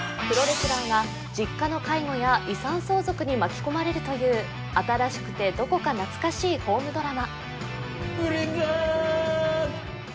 プロレスラーが実家の介護や遺産相続に巻き込まれるという新しくてどこか懐かしいホームドラマブリザード！